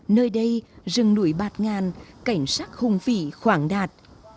nơi đây rừng núi bạt ngàn cảnh sát hùng vị khoảng đạt